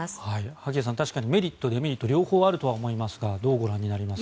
萩谷さん、確かにメリット、デメリット両方あるとは思いますがどう思いますか？